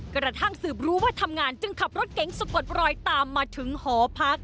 กระทั่งสืบรู้ว่าทำงานจึงขับรถเก๋งสะกดรอยตามมาถึงหอพัก